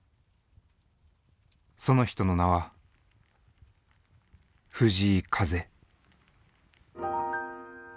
その人の名は藤井風。